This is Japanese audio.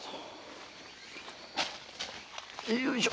よいしょ。